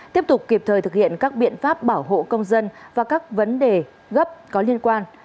tiếp tục kịp thời thực hiện các biện pháp bảo hộ công dân và các vấn đề gấp có liên quan